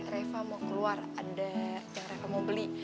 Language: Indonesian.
reva mau keluar ada yang reva mau beli